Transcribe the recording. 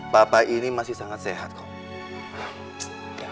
bapak ini masih sangat sehat kok